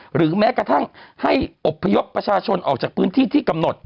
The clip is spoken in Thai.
หรือแม้กระทั่งให้อบพยพประชาชนออกจากพื้นที่ที่กำหนด